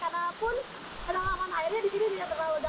karena pun kedalaman airnya di sini tidak terlalu dalam